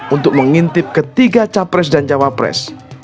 untuk mengintip ketiga capres dan cawapres